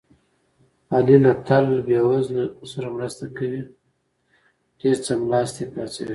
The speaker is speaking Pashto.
علي له تل له بې وزلو سره مرسته کوي. ډېر څملاستلي پاڅوي.